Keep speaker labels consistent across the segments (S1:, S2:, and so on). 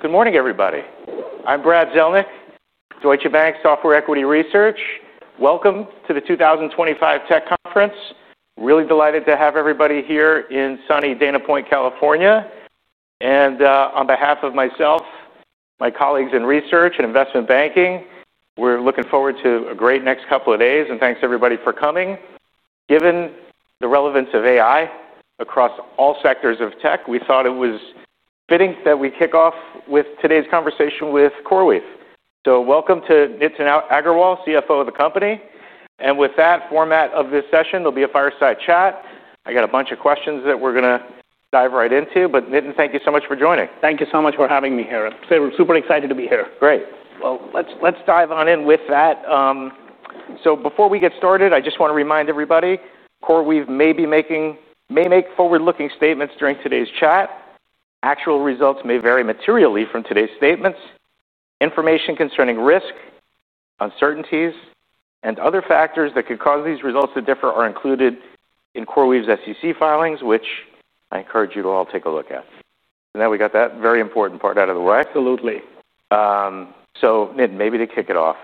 S1: Good morning, everybody. I'm Brad Zelnick, Deutsche Bank Software Equity Research. Welcome to the 2025 Tech Conference. Really delighted to have everybody here in sunny Dana Point, California. On behalf of myself, my colleagues in research and investment banking, we're looking forward to a great next couple of days. Thanks, everybody, for coming. Given the relevance of AI across all sectors of tech, we thought it was fitting that we kick off with today's conversation with CoreWeave. Welcome to Nitin Agrawal, CFO of the company. With that format of this session, there'll be a fireside chat. I got a bunch of questions that we're going to dive right into. Nitin, thank you so much for joining.
S2: Thank you so much for having me here. I'm super excited to be here.
S1: Great. Let's dive on in with that. Before we get started, I just want to remind everybody, CoreWeave may be making forward-looking statements during today's chat. Actual results may vary materially from today's statements. Information concerning risk, uncertainties, and other factors that could cause these results to differ are included in CoreWeave's SEC filings, which I encourage you to all take a look at. Now we got that very important part out of the way.
S2: Absolutely.
S1: Nitin, maybe to kick it off,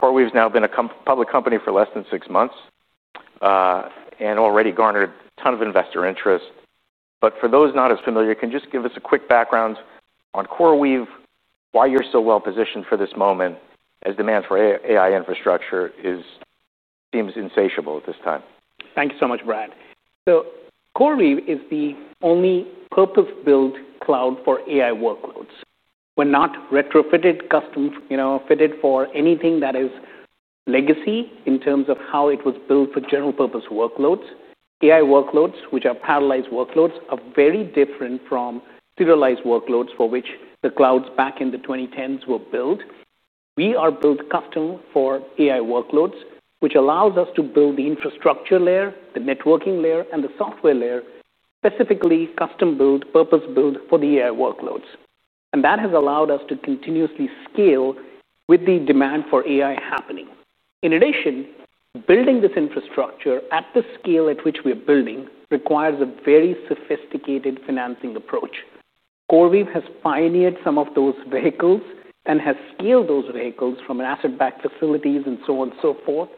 S1: CoreWeave's now been a public company for less than six months and already garnered a ton of investor interest. For those not as familiar, can you just give us a quick background on CoreWeave, why you're so well positioned for this moment as demand for AI infrastructure seems insatiable at this time?
S2: Thanks so much, Brad. CoreWeave is the only purpose-built cloud for AI workloads. We're not retrofitted, custom-fitted for anything that is legacy in terms of how it was built for general purpose workloads. AI workloads, which are parallelized workloads, are very different from serialized workloads for which the clouds back in the 2010s were built. We are built custom for AI workloads, which allows us to build the infrastructure layer, the networking layer, and the software layer, specifically custom-built, purpose-built for the AI workloads. That has allowed us to continuously scale with the demand for AI happening. In addition, building this infrastructure at the scale at which we're building requires a very sophisticated financing approach. CoreWeave has pioneered some of those vehicles and has scaled those vehicles from an asset-backed facility and so on and so forth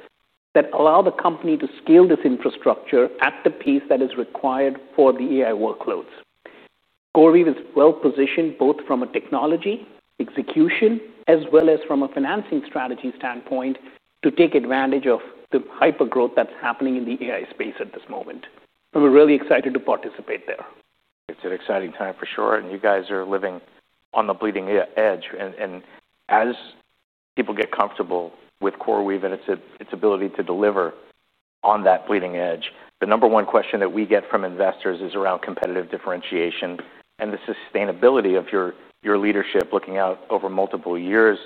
S2: that allow the company to scale this infrastructure at the pace that is required for the AI workloads. CoreWeave is well positioned both from a technology execution as well as from a financing strategy standpoint to take advantage of the hypergrowth that's happening in the AI space at this moment. We're really excited to participate there.
S1: It's an exciting time for sure. You guys are living on the bleeding edge. As people get comfortable with CoreWeave and its ability to deliver on that bleeding edge, the number one question that we get from investors is around competitive differentiation and the sustainability of your leadership looking out over multiple years.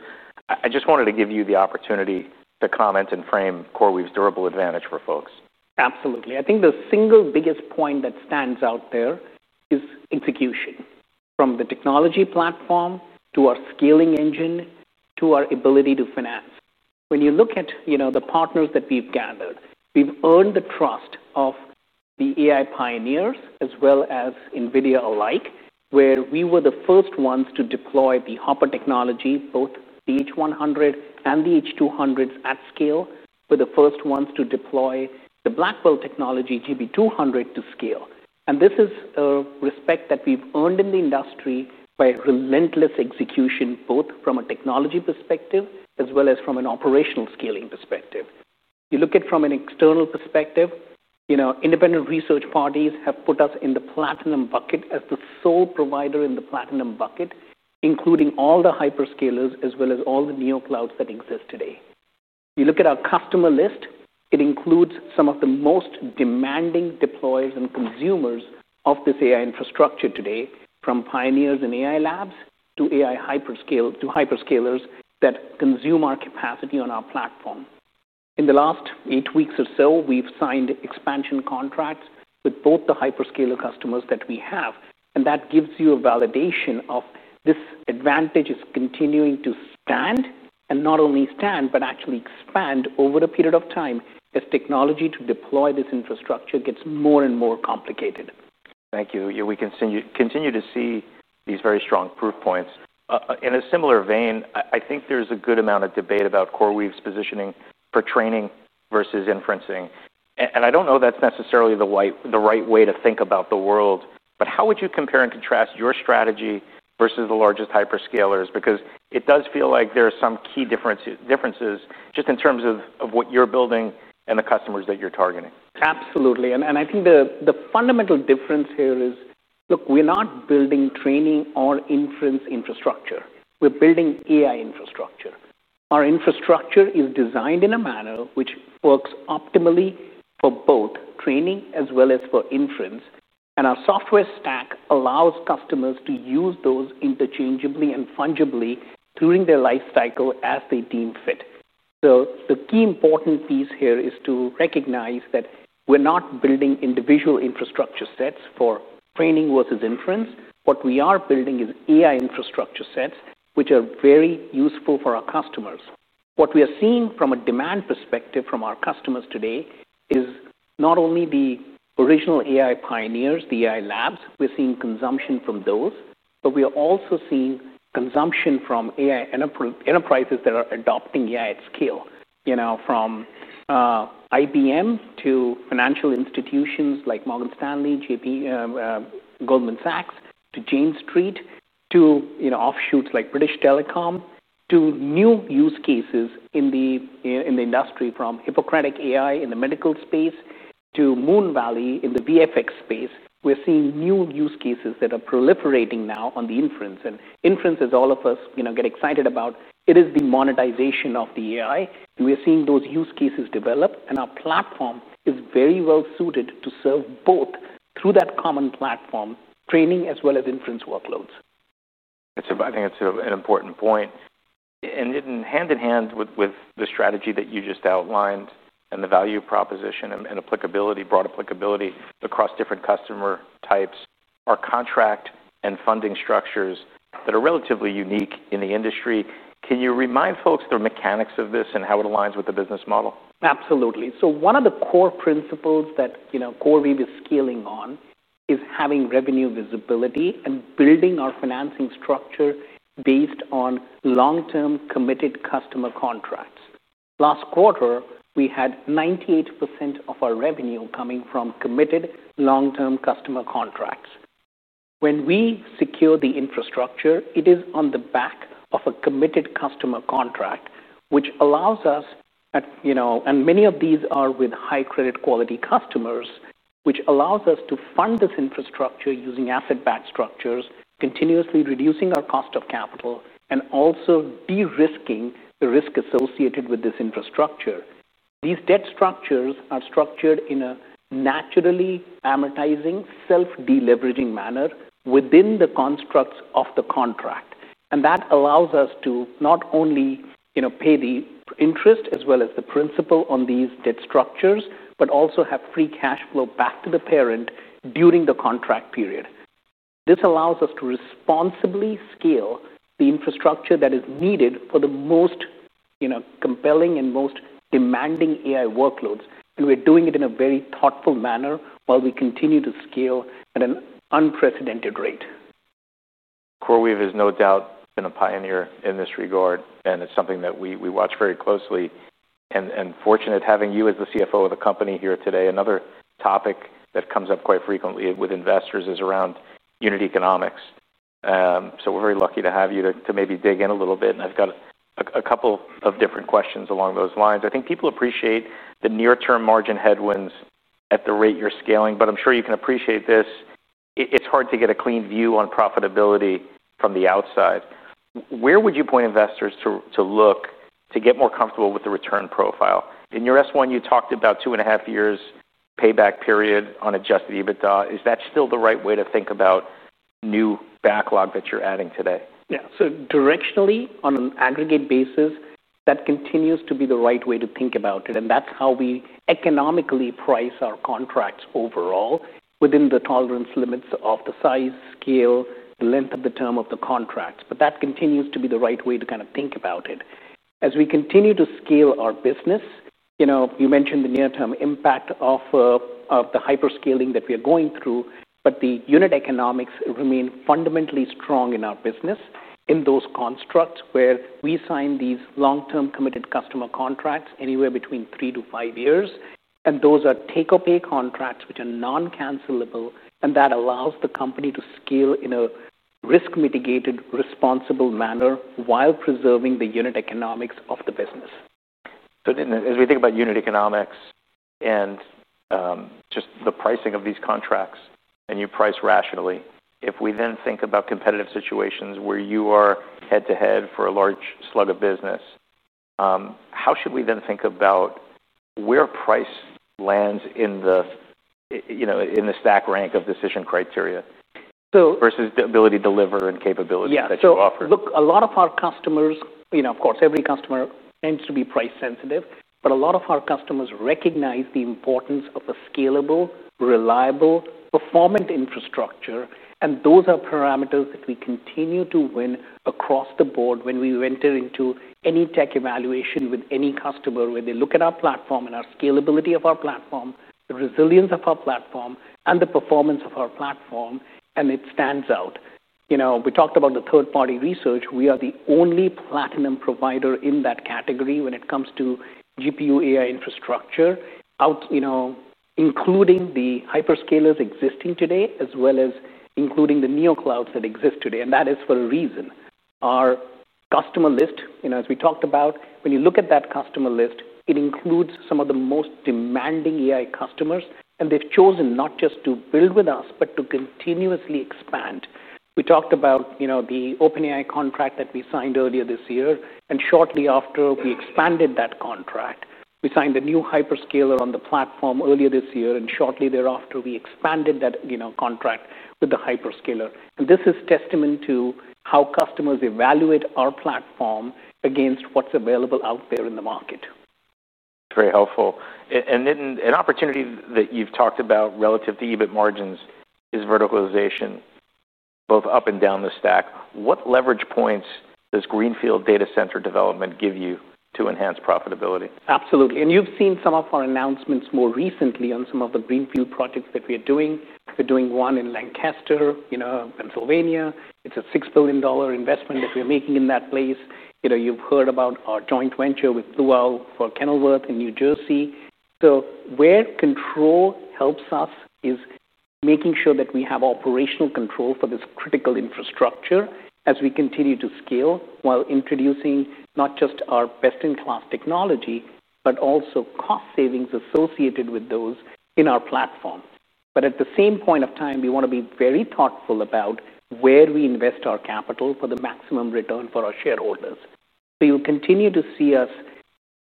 S1: I just wanted to give you the opportunity to comment and frame CoreWeave's durable advantage for folks.
S2: Absolutely. I think the single biggest point that stands out there is execution, from the technology platform to our scaling engine to our ability to finance. When you look at the partners that we've gathered, we've earned the trust of the AI pioneers as well as NVIDIA alike, where we were the first ones to deploy the Hopper technology, both the H100 and the H200s at scale. We're the first ones to deploy the Blackwell technology, GB200, to scale. This is a respect that we've earned in the industry by relentless execution, both from a technology perspective as well as from an operational scaling perspective. You look at it from an external perspective. Independent research parties have put us in the platinum bucket as the sole provider in the platinum bucket, including all the hyperscalers as well as all the neoclouds that exist today. You look at our customer list, it includes some of the most demanding deployers and consumers of this AI infrastructure today, from pioneers in AI labs to AI hyperscalers that consume our capacity on our platform. In the last eight weeks or so, we've signed expansion contracts with both the hyperscaler customers that we have. That gives you a validation of this advantage is continuing to stand and not only stand, but actually expand over a period of time as technology to deploy this infrastructure gets more and more complicated.
S1: Thank you. We continue to see these very strong proof points. In a similar vein, I think there's a good amount of debate about CoreWeave's positioning for training versus inferencing. I don't know that's necessarily the right way to think about the world. How would you compare and contrast your strategy versus the largest hyperscalers? It does feel like there are some key differences just in terms of what you're building and the customers that you're targeting.
S2: Absolutely. I think the fundamental difference here is, look, we're not building training or inference infrastructure. We're building AI infrastructure. Our infrastructure is designed in a manner which works optimally for both training as well as for inference. Our software stack allows customers to use those interchangeably and fungibly during their lifecycle as they deem fit. The key important piece here is to recognize that we're not building individual infrastructure sets for training versus inference. What we are building is AI infrastructure sets, which are very useful for our customers. What we are seeing from a demand perspective from our customers today is not only the original AI pioneers, the AI labs, we're seeing consumption from those, but we are also seeing consumption from AI enterprises that are adopting AI at scale, you know, from IBM to financial institutions like Morgan Stanley, Goldman Sachs, to Jane Street, to offshoots like BT Group, to new use cases in the industry from Hippocratic AI in the medical space to Moonvalley in the VFX space. We're seeing new use cases that are proliferating now on the inference. Inference, as all of us get excited about, is the monetization of the AI. We're seeing those use cases develop, and our platform is very well suited to serve both through that common platform, training as well as inference workloads.
S1: I think it's an important point. Nitin, hand in hand with the strategy that you just outlined and the value proposition and broad applicability across different customer types, our contract and funding structures that are relatively unique in the industry, can you remind folks the mechanics of this and how it aligns with the business model?
S2: Absolutely. One of the core principles that CoreWeave is scaling on is having revenue visibility and building our financing structure based on long-term committed customer contracts. Last quarter, we had 98% of our revenue coming from committed long-term customer contracts. When we secure the infrastructure, it is on the back of a committed customer contract, which allows us, and many of these are with high credit quality customers, to fund this infrastructure using asset-backed structures, continuously reducing our cost of capital and also de-risking the risk associated with this infrastructure. These debt structures are structured in a naturally amortizing, self-de-leveraging manner within the constructs of the contract. That allows us to not only pay the interest as well as the principal on these debt structures, but also have free cash flow back to the parent during the contract period. This allows us to responsibly scale the infrastructure that is needed for the most compelling and most demanding AI workloads. We're doing it in a very thoughtful manner while we continue to scale at an unprecedented rate.
S1: CoreWeave has no doubt been a pioneer in this regard, and it's something that we watch very closely. We're fortunate having you as the CFO of the company here today. Another topic that comes up quite frequently with investors is around unit economics. We're very lucky to have you to maybe dig in a little bit. I've got a couple of different questions along those lines. I think people appreciate the near-term margin headwinds at the rate you're scaling, but I'm sure you can appreciate this. It's hard to get a clean view on profitability from the outside. Where would you point investors to look to get more comfortable with the return profile? In your S1, you talked about 2.5 years payback period on adjusted EBITDA. Is that still the right way to think about new backlog that you're adding today?
S2: Yeah, so directionally, on an aggregate basis, that continues to be the right way to think about it. That's how we economically price our contracts overall within the tolerance limits of the size, scale, and the length of the term of the contracts. That continues to be the right way to kind of think about it. As we continue to scale our business, you mentioned the near-term impact of the hyperscaling that we are going through, the unit economics remain fundamentally strong in our business in those constructs where we sign these long-term committed customer contracts anywhere between three to five years. Those are take-or-pay contracts, which are non-cancellable, and that allows the company to scale in a risk-mitigated, responsible manner while preserving the unit economics of the business.
S1: Nitin, as we think about unit economics and just the pricing of these contracts and you price rationally, if we then think about competitive situations where you are head-to-head for a large slug of business, how should we then think about where price lands in the stack rank of decision criteria versus the ability to deliver and capability that you offer?
S2: Yeah, so look, a lot of our customers, you know, of course, every customer tends to be price sensitive, but a lot of our customers recognize the importance of a scalable, reliable, performant infrastructure. Those are parameters that we continue to win across the board when we enter into any tech evaluation with any customer, where they look at our platform and our scalability of our platform, the resilience of our platform, and the performance of our platform, and it stands out. You know, we talked about the third-party research. We are the only platinum provider in that category when it comes to GPU AI infrastructure, including the hyperscalers existing today as well as including the neoclouds that exist today. That is for a reason. Our customer list, you know, as we talked about, when you look at that customer list, it includes some of the most demanding AI customers, and they've chosen not just to build with us, but to continuously expand. We talked about the OpenAI contract that we signed earlier this year, and shortly after we expanded that contract, we signed a new hyperscaler on the platform earlier this year, and shortly thereafter, we expanded that contract with the hyperscaler. This is a testament to how customers evaluate our platform against what's available out there in the market.
S1: Very helpful. Nitin, an opportunity that you've talked about relative to EBIT margins is verticalization, both up and down the stack. What leverage points does greenfield data center development give you to enhance profitability?
S2: Absolutely. You've seen some of our announcements more recently on some of the greenfield projects that we're doing. We're doing one in Lancaster, Pennsylvania. It's a $6 billion investment that we're making in that place. You've heard about our joint venture with Blue Owl for Kenilworth in New Jersey. Where control helps us is making sure that we have operational control for this critical infrastructure as we continue to scale while introducing not just our best-in-class technology, but also cost savings associated with those in our platform. At the same point of time, we want to be very thoughtful about where we invest our capital for the maximum return for our shareholders. You'll continue to see us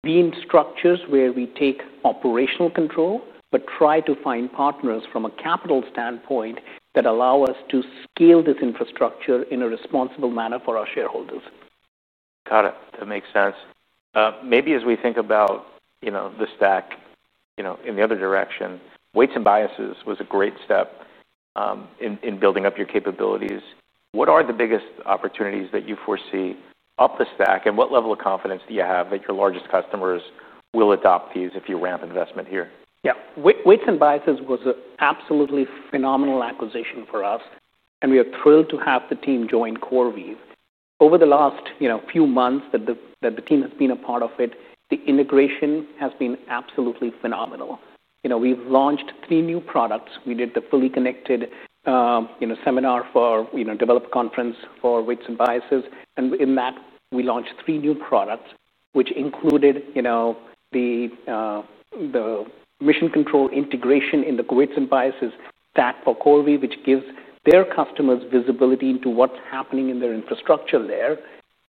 S2: be in structures where we take operational control, but try to find partners from a capital standpoint that allow us to scale this infrastructure in a responsible manner for our shareholders.
S1: Got it. That makes sense. Maybe as we think about the stack in the other direction, Weights & Biases was a great step in building up your capabilities. What are the biggest opportunities that you foresee up the stack? What level of confidence do you have that your largest customers will adopt these if you ramp investment here?
S2: Yeah, Weights & Biases was an absolutely phenomenal acquisition for us. We are thrilled to have the team join CoreWeave. Over the last few months that the team has been a part of it, the integration has been absolutely phenomenal. We've launched three new products. We did the Fully Connected seminar for Developer Conference for Weights & Biases. In that, we launched three new products, which included the Mission Control Integration in the Weights & Biases stack for CoreWeave, which gives their customers visibility into what's happening in their infrastructure there.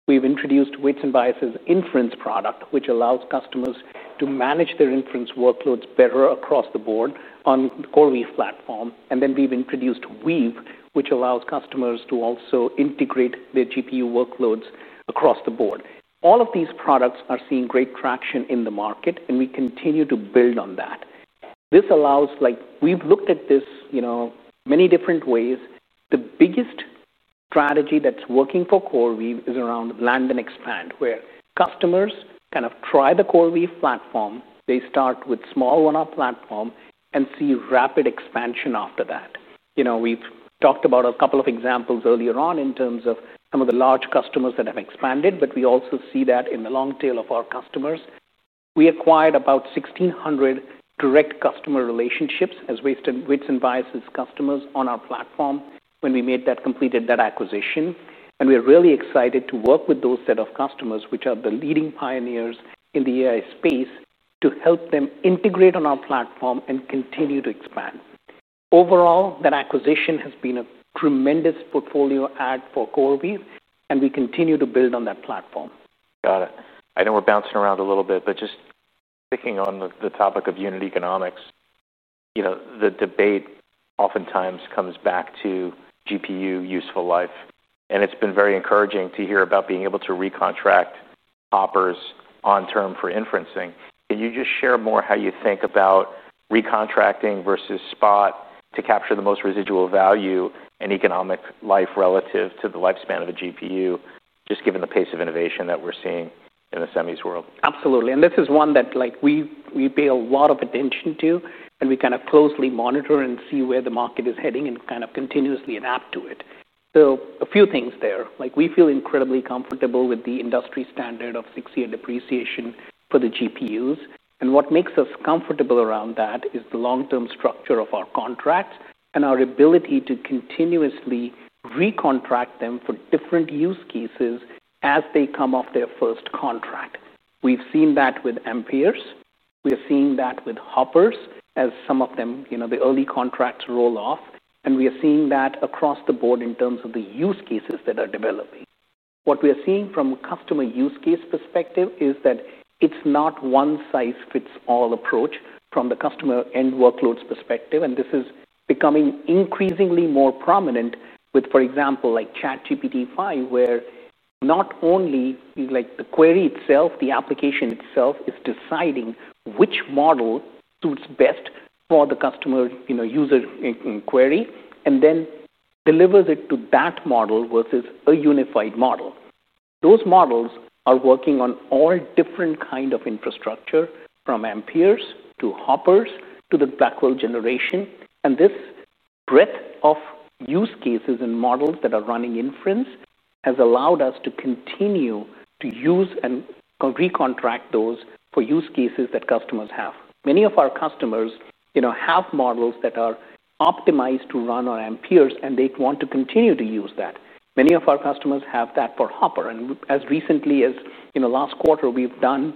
S2: We've introduced Weights & Biases Inference product, which allows customers to manage their inference workloads better across the board on the CoreWeave platform. We've introduced Weave, which allows customers to also integrate their GPU workloads across the board. All of these products are seeing great traction in the market, and we continue to build on that. This allows, like, we've looked at this many different ways. The biggest strategy that's working for CoreWeave is around land and expand, where customers kind of try the CoreWeave platform. They start with a small one-off platform and see rapid expansion after that. We've talked about a couple of examples earlier on in terms of some of the large customers that have expanded, but we also see that in the long tail of our customers. We acquired about 1,600 direct customer relationships as Weights & Biases customers on our platform when we completed that acquisition. We're really excited to work with those set of customers, which are the leading pioneers in the AI space, to help them integrate on our platform and continue to expand. Overall, that acquisition has been a tremendous portfolio add for CoreWeave, and we continue to build on that platform.
S1: Got it. I know we're bouncing around a little bit, but just picking on the topic of unit economics, the debate oftentimes comes back to GPU useful life. It's been very encouraging to hear about being able to recontract hoppers on term for inferencing. Can you just share more how you think about recontracting versus spot to capture the most residual value and economic life relative to the lifespan of a GPU, just given the pace of innovation that we're seeing in the semis world?
S2: Absolutely. This is one that we pay a lot of attention to, and we closely monitor and see where the market is heading and continuously adapt to it. A few things there. We feel incredibly comfortable with the industry standard of six-year depreciation for the GPUs. What makes us comfortable around that is the long-term structure of our contracts and our ability to continuously recontract them for different use cases as they come off their first contract. We've seen that with Ampere. We're seeing that with Hopper as some of them, the early contracts roll off. We are seeing that across the board in terms of the use cases that are developing. What we are seeing from a customer use case perspective is that it's not a one size fits all approach from the customer end workloads perspective. This is becoming increasingly more prominent with, for example, ChatGPT-5, where not only the query itself, the application itself is deciding which model suits best for the customer user query and then delivers it to that model versus a unified model. Those models are working on all different kinds of infrastructure from Ampere to Hopper to the Blackwell generation. This breadth of use cases and models that are running inference has allowed us to continue to use and recontract those for use cases that customers have. Many of our customers have models that are optimized to run on Ampere, and they want to continue to use that. Many of our customers have that for Hopper. As recently as last quarter, we've done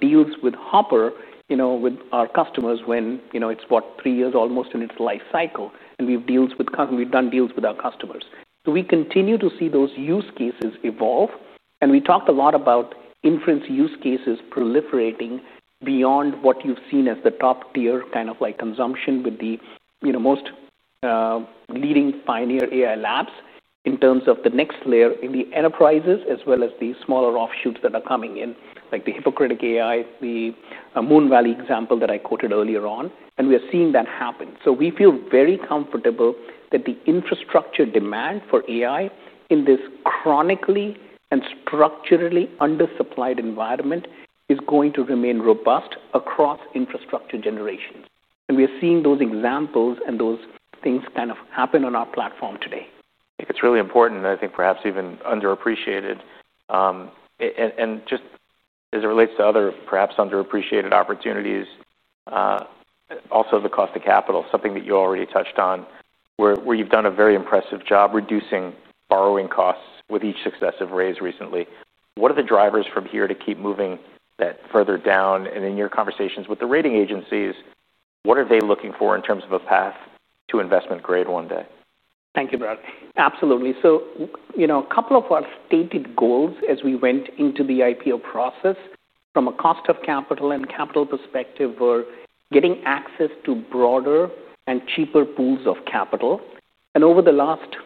S2: deals with Hopper with our customers when it's, what, three years almost in its life cycle. We've done deals with our customers. We continue to see those use cases evolve. We talked a lot about inference use cases proliferating beyond what you've seen as the top tier kind of consumption with the most leading pioneer AI labs in terms of the next layer in the enterprises as well as the smaller offshoots that are coming in, like Hippocratic AI, the Moonvalley example that I quoted earlier on. We are seeing that happen. We feel very comfortable that the infrastructure demand for AI in this chronically and structurally undersupplied environment is going to remain robust across infrastructure generations. We are seeing those examples and those things happen on our platform today.
S1: I think it's really important, and I think perhaps even underappreciated. Just as it relates to other perhaps underappreciated opportunities, also the cost of capital, something that you already touched on, where you've done a very impressive job reducing borrowing costs with each successive raise recently. What are the drivers from here to keep moving that further down? In your conversations with the rating agencies, what are they looking for in terms of a path to investment grade one day?
S2: Thank you, Brad. Absolutely. A couple of our stated goals as we went into the IPO process from a cost of capital and capital perspective were getting access to broader and cheaper pools of capital. Over the last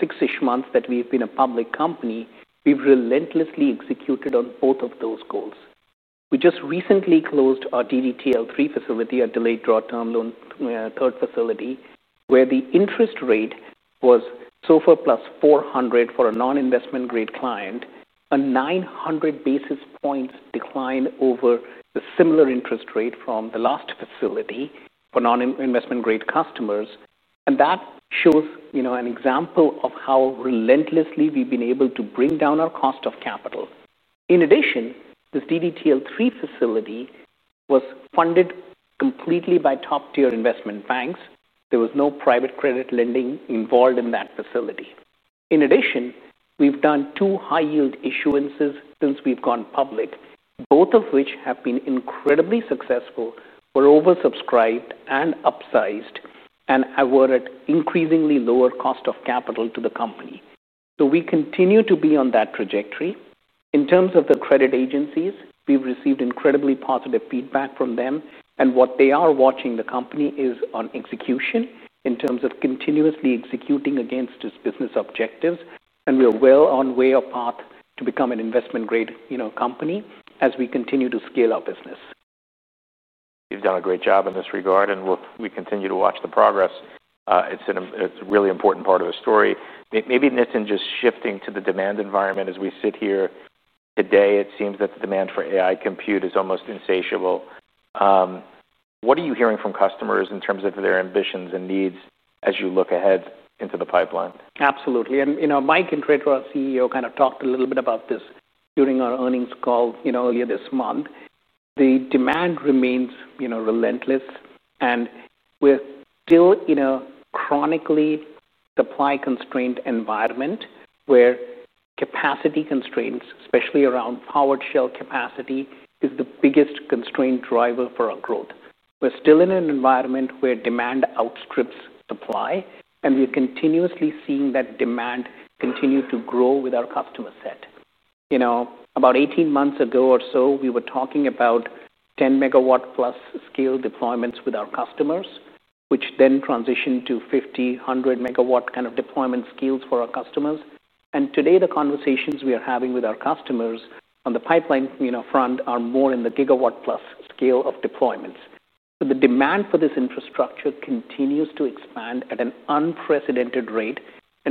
S2: six-ish months that we've been a public company, we've relentlessly executed on both of those goals. We just recently closed our DDTL3 facility, our delayed drawdown loan third facility, where the interest rate was SOFR plus 400 for a non-investment grade client, a 900 basis points decline over the similar interest rate from the last facility for non-investment grade customers. That shows an example of how relentlessly we've been able to bring down our cost of capital. In addition, this DDTL3 facility was funded completely by top-tier investment banks. There was no private credit lending involved in that facility. In addition, we've done two high-yield issuances since we've gone public, both of which have been incredibly successful, were oversubscribed and upsized, and were at increasingly lower cost of capital to the company. We continue to be on that trajectory. In terms of the credit agencies, we've received incredibly positive feedback from them. What they are watching the company is on execution in terms of continuously executing against its business objectives. We are well on way of path to become an investment-grade company as we continue to scale our business.
S1: You've done a great job in this regard, and we continue to watch the progress. It's a really important part of the story. Maybe Nitin, just shifting to the demand environment as we sit here today, it seems that the demand for AI compute is almost insatiable. What are you hearing from customers in terms of their ambitions and needs as you look ahead into the pipeline?
S2: Absolutely. Mike Intrator, our CEO, kind of talked a little bit about this during our earnings call earlier this month. The demand remains relentless. We're still in a chronically supply-constrained environment where capacity constraints, especially around powered shell capacity, are the biggest constraint driver for our growth. We're still in an environment where demand outstrips supply. We're continuously seeing that demand continue to grow with our customer set. About 18 months ago or so, we were talking about 10 MW+ scale deployments with our customers, which then transitioned to 50, 100 MW kind of deployment scales for our customers. Today, the conversations we are having with our customers on the pipeline front are more in the gigawatt plus scale of deployments. The demand for this infrastructure continues to expand at an unprecedented rate.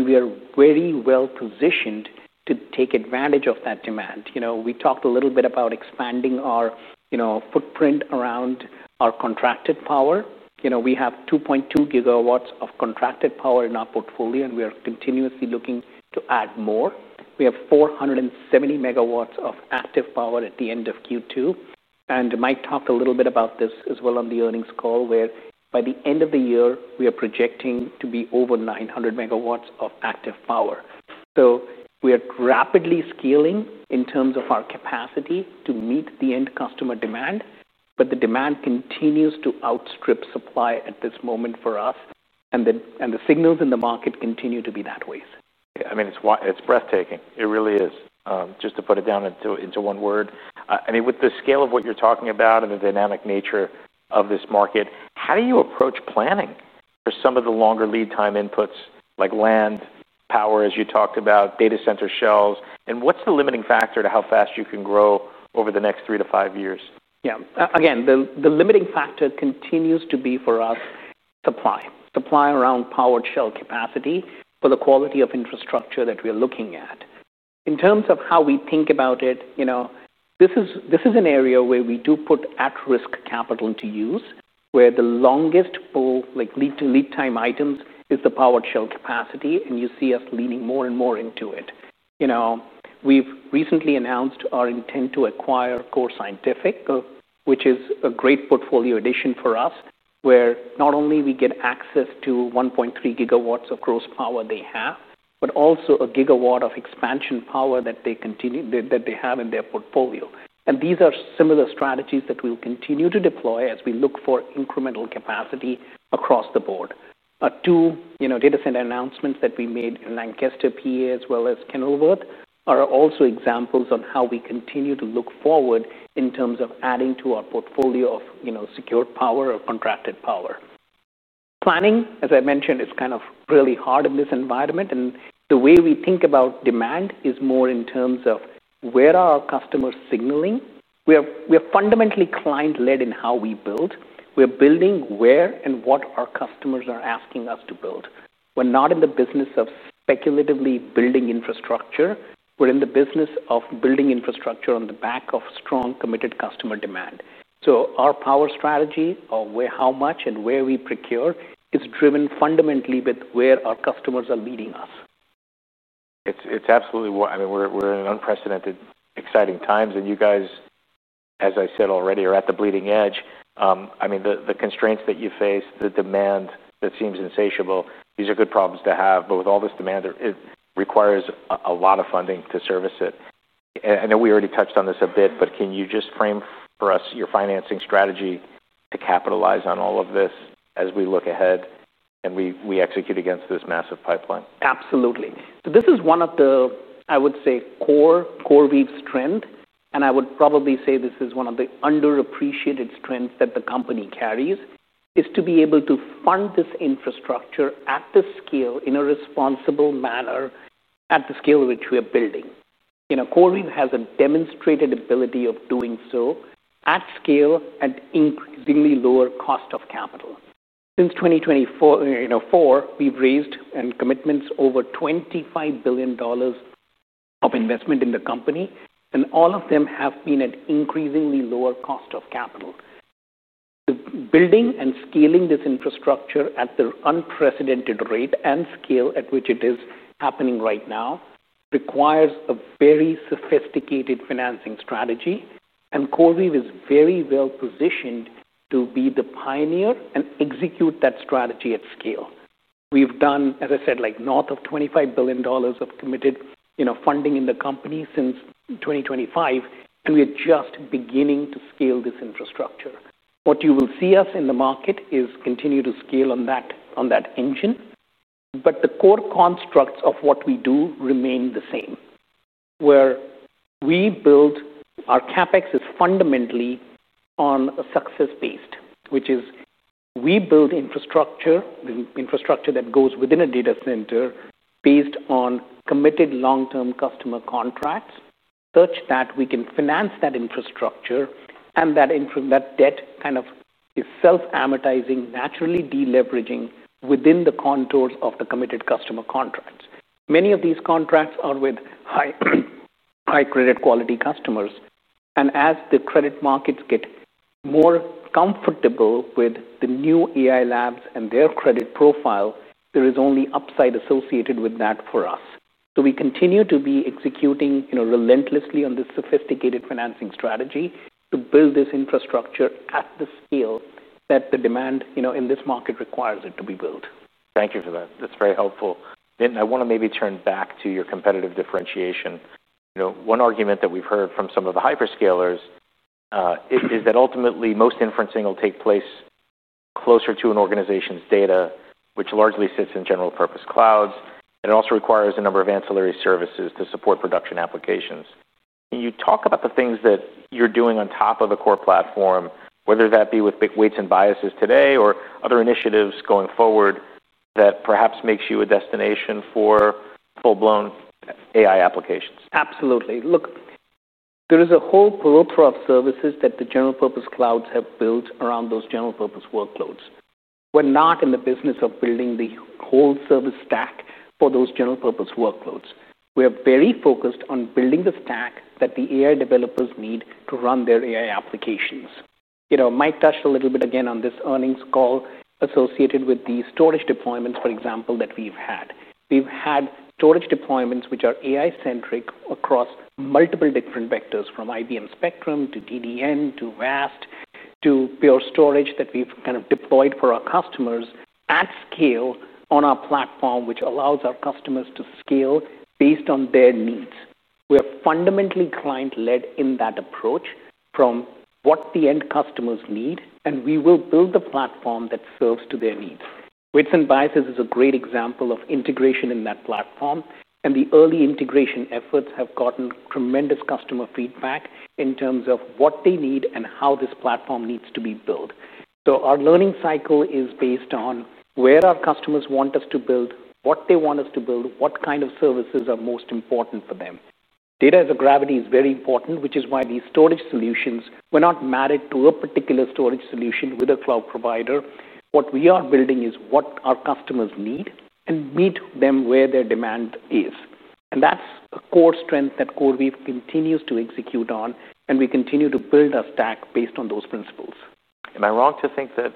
S2: We are very well positioned to take advantage of that demand. We talked a little bit about expanding our footprint around our contracted power. We have 2.2 GW of contracted power in our portfolio, and we are continuously looking to add more. We have 470 MW of active power at the end of Q2. Mike talked a little bit about this as well on the earnings call, where by the end of the year, we are projecting to be over 900 MW of active power. We are rapidly scaling in terms of our capacity to meet the end customer demand. The demand continues to outstrip supply at this moment for us. The signals in the market continue to be that way.
S1: I mean, it's breathtaking. It really is. Just to put it down into one word. With the scale of what you're talking about and the dynamic nature of this market, how do you approach planning for some of the longer lead time inputs like land, power, as you talked about, data center shelves, and what's the limiting factor to how fast you can grow over the next three to five years?
S2: Yeah, again, the limiting factor continues to be for us supply. Supply around powered shell capacity for the quality of infrastructure that we are looking at. In terms of how we think about it, this is an area where we do put at-risk capital to use, where the longest pull, like lead time items, is the powered shell capacity. You see us leaning more and more into it. We've recently announced our intent to acquire Core Scientific, which is a great portfolio addition for us, where not only we get access to 1.3 GW of gross power they have, but also a gigawatt of expansion power that they have in their portfolio. These are similar strategies that we'll continue to deploy as we look for incremental capacity across the board. Our two data center announcements that we made in Lancaster, Pennsylvania, as well as Kenilworth, New Jersey, are also examples on how we continue to look forward in terms of adding to our portfolio of secured power or contracted power. Planning, as I mentioned, is kind of really hard in this environment. The way we think about demand is more in terms of where are our customers signaling. We are fundamentally client-led in how we build. We're building where and what our customers are asking us to build. We're not in the business of speculatively building infrastructure. We're in the business of building infrastructure on the back of strong committed customer demand. Our power strategy, or how much and where we procure, is driven fundamentally with where our customers are leading us.
S1: It's absolutely what I mean. We're in unprecedented exciting times. You guys, as I said already, are at the bleeding edge. The constraints that you face, the demand that seems insatiable, these are good problems to have. With all this demand, it requires a lot of funding to service it. I know we already touched on this a bit, can you just frame for us your financing strategy to capitalize on all of this as we look ahead and we execute against this massive pipeline?
S2: Absolutely. This is one of the, I would say, core CoreWeave strengths. I would probably say this is one of the underappreciated strengths that the company carries, to be able to fund this infrastructure at the scale in a responsible manner at the scale of which we are building. CoreWeave has a demonstrated ability of doing so at scale and increasingly lower cost of capital. Since 2024, we've raised commitments over $25 billion of investment in the company, and all of them have been at increasingly lower cost of capital. Building and scaling this infrastructure at the unprecedented rate and scale at which it is happening right now requires a very sophisticated financing strategy. CoreWeave is very well positioned to be the pioneer and execute that strategy at scale. We've done, as I said, like north of $25 billion of committed funding in the company since 2025, and we are just beginning to scale this infrastructure. What you will see us in the market is continue to scale on that engine. The core constructs of what we do remain the same, where we build our CapEx fundamentally on a success-based, which is we build infrastructure, the infrastructure that goes within a data center based on committed long-term customer contracts, such that we can finance that infrastructure. That debt is self-amortizing, naturally de-leveraging within the contours of the committed customer contracts. Many of these contracts are with high credit quality customers. As the credit markets get more comfortable with the new AI labs and their credit profile, there is only upside associated with that for us. We continue to be executing relentlessly on this sophisticated financing strategy to build this infrastructure at the scale that the demand in this market requires it to be built.
S1: Thank you for that. That's very helpful. I want to maybe turn back to your competitive differentiation. You know, one argument that we've heard from some of the hyperscalers is that ultimately most inferencing will take place closer to an organization's data, which largely sits in general purpose clouds. It also requires a number of ancillary services to support production applications. Can you talk about the things that you're doing on top of a core platform, whether that be with Weights & Biases today or other initiatives going forward, that perhaps makes you a destination for full-blown AI applications?
S2: Absolutely. Look, there is a whole plethora of services that the general purpose clouds have built around those general purpose workloads. We're not in the business of building the whole service stack for those general purpose workloads. We are very focused on building the stack that the AI developers need to run their AI applications. Mike touched a little bit again on this earnings call associated with the storage deployments, for example, that we've had. We've had storage deployments which are AI-centric across multiple different vectors, from IBM Spectrum to DDN to VAST to Pure Storage that we've kind of deployed for our customers at scale on our platform, which allows our customers to scale based on their needs. We are fundamentally client-led in that approach from what the end customers need. We will build the platform that serves to their needs. Weights & Biases is a great example of integration in that platform. The early integration efforts have gotten tremendous customer feedback in terms of what they need and how this platform needs to be built. Our learning cycle is based on where our customers want us to build, what they want us to build, what kind of services are most important for them. Data as a gravity is very important, which is why these storage solutions, we're not married to a particular storage solution with a cloud provider. What we are building is what our customers need and meet them where their demand is. That's a core strength that CoreWeave continues to execute on. We continue to build a stack based on those principles.
S1: Am I wrong to think that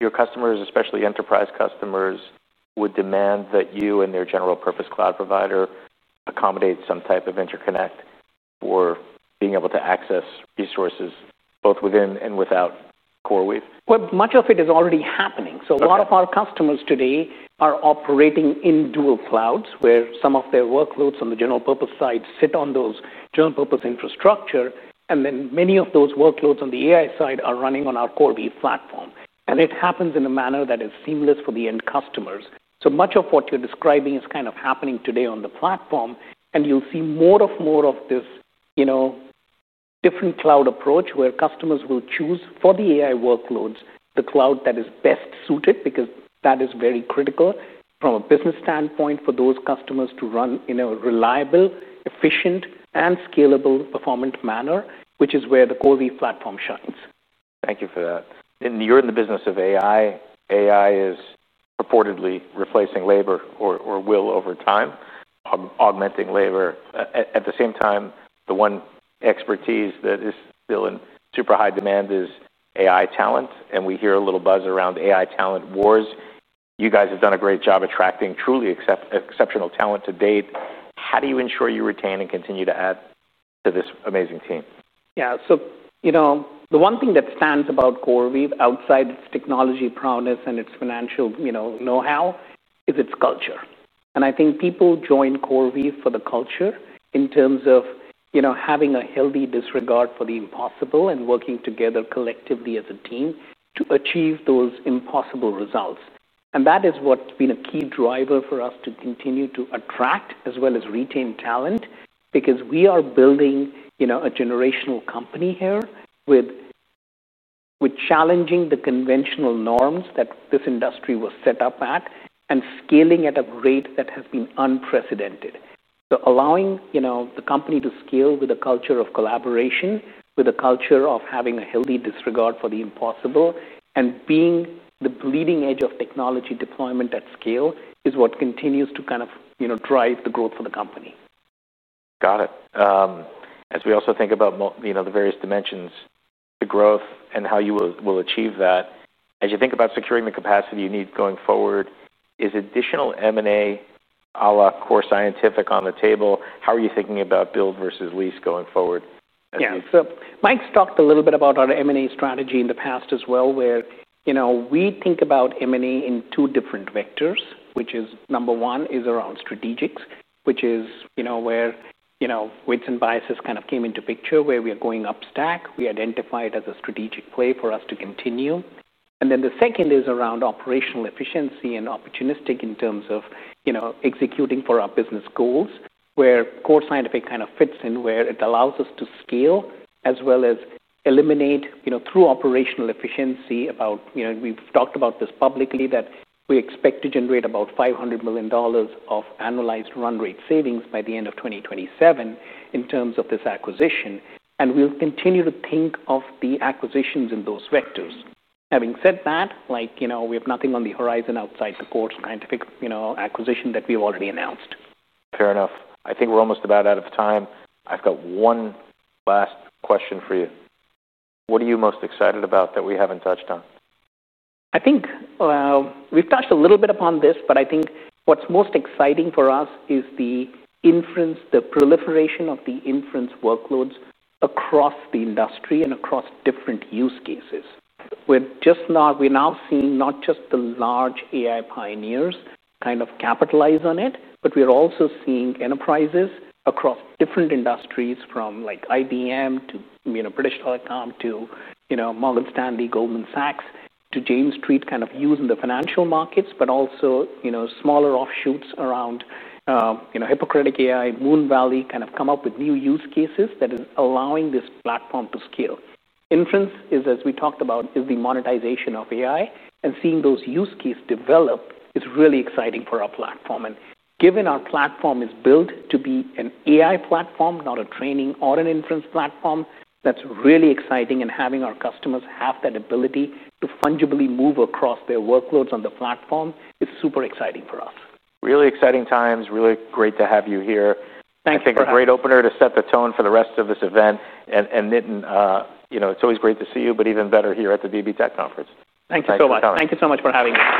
S1: your customers, especially enterprise customers, would demand that you and their general purpose cloud provider accommodate some type of interconnect or being able to access resources both within and without CoreWeave?
S2: Much of it is already happening. A lot of our customers today are operating in dual clouds, where some of their workloads on the general purpose side sit on those general purpose infrastructure, and then many of those workloads on the AI side are running on our CoreWeave platform. It happens in a manner that is seamless for the end customers. Much of what you're describing is kind of happening today on the platform. You'll see more and more of this different cloud approach where customers will choose for the AI workloads the cloud that is best suited because that is very critical from a business standpoint for those customers to run in a reliable, efficient, and scalable performance manner, which is where the CoreWeave platform shines.
S1: Thank you for that. You're in the business of AI. AI is purportedly replacing labor or will over time, augmenting labor. At the same time, the one expertise that is still in super high demand is AI talent. We hear a little buzz around AI talent wars. You guys have done a great job attracting truly exceptional talent to date. How do you ensure you retain and continue to add to this amazing team?
S2: Yeah, so you know, the one thing that stands out about CoreWeave outside its technology prowess and its financial know-how is its culture. I think people join CoreWeave for the culture in terms of, you know, having a healthy disregard for the impossible and working together collectively as a team to achieve those impossible results. That has been a key driver for us to continue to attract as well as retain talent because we are building, you know, a generational company here with challenging the conventional norms that this industry was set up at and scaling at a rate that has been unprecedented. Allowing, you know, the company to scale with a culture of collaboration, with a culture of having a healthy disregard for the impossible, and being the bleeding edge of technology deployment at scale is what continues to kind of, you know, drive the growth for the company.
S1: Got it. As we also think about the various dimensions, the growth and how you will achieve that, as you think about securing the capacity you need going forward, is additional M&A a la Core Scientific on the table? How are you thinking about build versus lease going forward?
S2: Yeah, so Mike's talked a little bit about our M&A strategy in the past as well, where we think about M&A in two different vectors, which is number one is around strategics, which is where Weights & Biases kind of came into picture, where we are going up stack. We identify it as a strategic play for us to continue. The second is around operational efficiency and opportunistic in terms of executing for our business goals, where Core Scientific kind of fits in, where it allows us to scale as well as eliminate through operational efficiency. We've talked about this publicly that we expect to generate about $500 million of annualized run rate savings by the end of 2027 in terms of this acquisition. We'll continue to think of the acquisitions in those vectors. Having said that, we have nothing on the horizon outside the Core Scientific acquisition that we've already announced.
S1: Fair enough. I think we're almost about out of time. I've got one last question for you. What are you most excited about that we haven't touched on?
S2: I think we've touched a little bit upon this, but I think what's most exciting for us is the inference, the proliferation of the inference workloads across the industry and across different use cases. We're now seeing not just the large AI pioneers kind of capitalize on it, but we're also seeing enterprises across different industries from IBM to BT Group to Morgan Stanley, Goldman Sachs to Jane Street kind of use in the financial markets, but also smaller offshoots around Hippocratic AI, Moonvalley kind of come up with new use cases that are allowing this platform to scale. Inference is, as we talked about, the monetization of AI. Seeing those use cases develop is really exciting for our platform. Given our platform is built to be an AI platform, not a training or an inference platform, that's really exciting. Having our customers have that ability to fungibly move across their workloads on the platform is super exciting for us.
S1: Really exciting times. Really great to have you here.
S2: Thank yiuyou for that.
S1: Great opener to set the tone for the rest of this event. Nitin, you know, it's always great to see you, but even better here at the Tech Conference.
S2: Thank you so much. Thank you so much for having me.